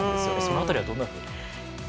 その辺りはどんなふうに？